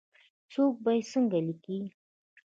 څوک به یې څنګه لیکي ؟